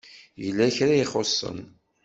Yella kra i ixuṣṣen.